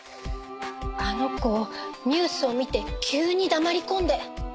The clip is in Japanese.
あの子ニュースを見て急に黙り込んで。